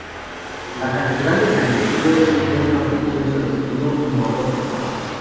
La Catedral de San Isidro es un templo religioso de estilo neogótico.